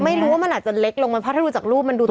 ไม่รู้ว่ามันอาจจะเล็กลงไปเพราะถ้าดูจากรูปมันดู